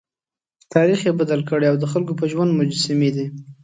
تاریخ یې بدل کړی او د خلکو په ژوند مجسمې دي.